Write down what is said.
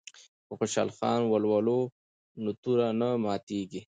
که خوشحال خان ولولو نو توره نه ماتیږي.